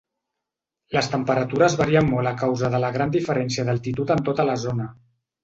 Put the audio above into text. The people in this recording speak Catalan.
Les temperatures varien molt a causa de la gran diferència d'altitud en tota la zona.